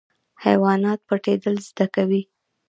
حیوانات پټیدل زده کوي